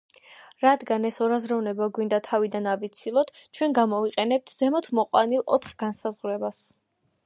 რადგან ეს ორაზროვნება გვინდა თავიდან ავიცილოთ, ჩვენ გამოვიყენებთ ზემოთ მოყვანილ ოთხ განსაზღვრებას.